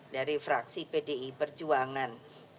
dari fraksi pdi perjuangan